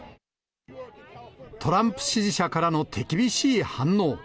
トランプ支持者からの手厳しい反応。